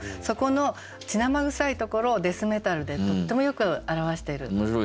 そこの血生臭いところを「デスメタル」でとってもよく表している。